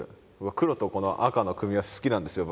黒とこの赤の組み合わせ好きなんですよ